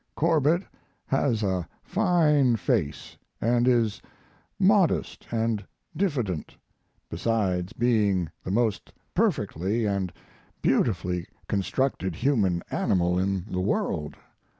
Corbett has a fine face and is modest and diffident, besides being the most perfectly & beautifully constructed human animal in the world.